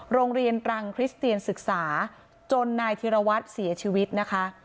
โรงเรียนตรังคริสเตียนศึกษาจนนายธิรวัตรเสียชีวิตนะคะ